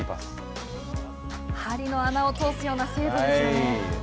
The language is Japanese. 針の穴を通すような精度ですよね。